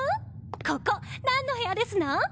ここ何の部屋ですの？